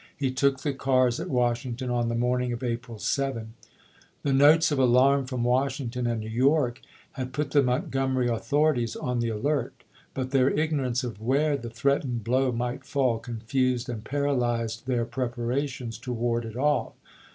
He took the cars Te.tJei!' at Washington on the morning of April 7. i'., p". 462! ' The notes of alarm from Washington and New York had put the Montgomery authorities on the alert. But their ignorance of where the threatened blow might fall confused and paralyzed their prep arations to ward it oif